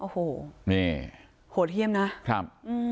โหโหเที่ยมนะครับ